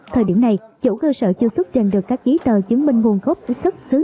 thời điểm này chủ cơ sở chưa xuất dành được các dí tờ chứng minh nguồn gốc sức xứ